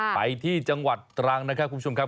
ไปที่จังหวัดตรังนะครับคุณผู้ชมครับ